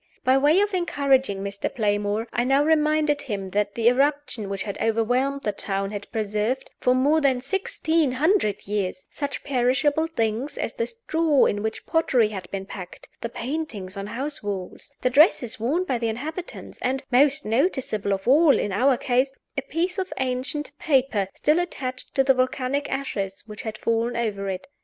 By way of encouraging Mr. Playmore, I now reminded him that the eruption which had overwhelmed the town had preserved, for more than sixteen hundred years, such perishable things as the straw in which pottery had been packed; the paintings on house walls; the dresses worn by the inhabitants; and (most noticeable of all, in our case) a piece of ancient paper, still attached to the volcanic ashes which had fallen over it.